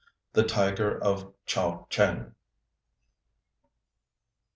THE TIGER OF CHAO CH'ÊNG.